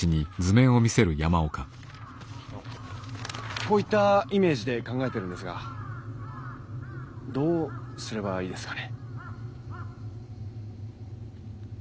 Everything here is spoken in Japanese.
こういったイメージで考えてるんですがどうすればいいですかね？